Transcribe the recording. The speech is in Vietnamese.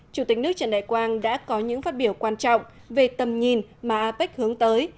chủ tịch nước trần đại quang đã có những phát biểu quan trọng về tầm nhìn mà apec hướng tới